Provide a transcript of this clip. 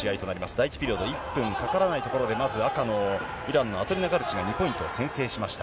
第１ピリオド、１分かからないところで、まず赤のイランのアトリナガルチが２ポイントを先制しました。